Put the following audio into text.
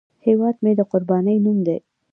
هیواد مې د قربانۍ نوم دی